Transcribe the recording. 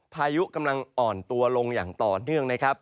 พายุกำลังอ่อนตัวลงอย่างต่อเนื่องนะครับ